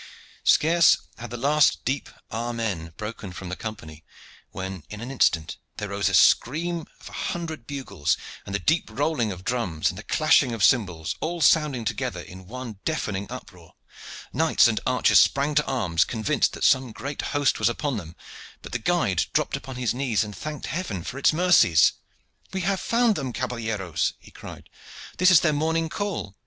Scarce had the last deep "amen" broken from the Company, when, in an instant, there rose the scream of a hundred bugles, with the deep rolling of drums and the clashing of cymbals, all sounding together in one deafening uproar. Knights and archers sprang to arms, convinced that some great host was upon them; but the guide dropped upon his knees and thanked Heaven for its mercies. "We have found them, caballeros!" he cried. "This is their morning call.